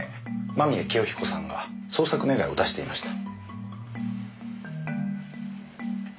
間宮清彦さんが捜索願を出していました。